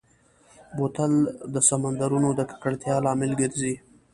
بوتل د سمندرونو د ککړتیا لامل ګرځي.